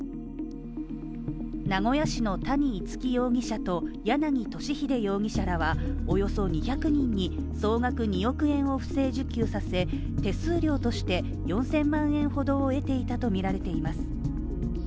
名古屋市の谷逸輝容疑者と柳俊秀容疑者らは、およそ２００人に総額２億円を不正受給させ手数料として４０００万円ほどを得ていたとみられています。